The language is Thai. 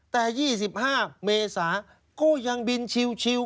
แต่๒๕เมษาก็ยังบินชิล